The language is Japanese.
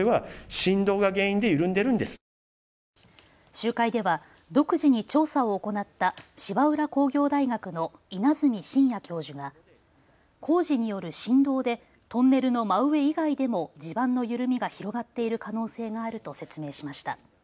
集会では独自に調査を行った芝浦工業大学の稲積真哉教授が工事による振動でトンネルの真上以外でも地盤の緩みが広がっている可能性があると説明しました。